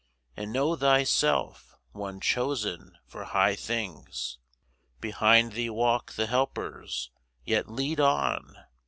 And know thyself one chosen for high things. Behind thee walk the Helpers. Yet lead on!